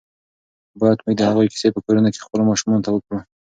باید موږ د هغوی کیسې په کورونو کې خپلو ماشومانو ته وکړو.